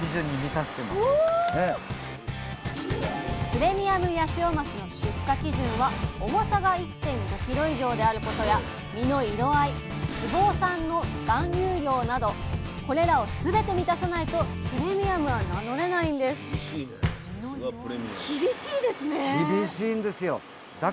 プレミアムヤシオマスの出荷基準は重さが１．５ｋｇ以上であることや身の色合い脂肪酸の含有量などこれらをすべて満たさないとプレミアムは名乗れないんですさあ